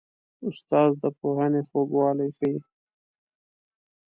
استاد د پوهنې خوږوالی ښيي.